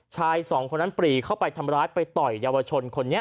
ชายสองคนนั้นปรีเข้าไปทำร้ายไปต่อยเยาวชนคนนี้